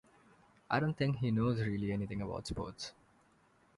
I don't think he knows, really, anything about sport.